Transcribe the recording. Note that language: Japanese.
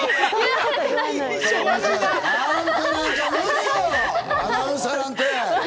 アナウンサーなんて。